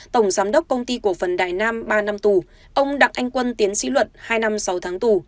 tổng giám đốc công ty cổ phần đại nam ba năm tù ông đặng anh quân tiến sĩ luận hai năm sáu tháng tù